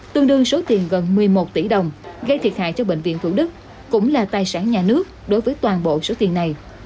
tương đương số tiền gần một mươi một tỷ đồng gây thiệt hại cho bệnh viện thủ đức cũng là tài sản nhà nước đối với toàn bộ số tiền này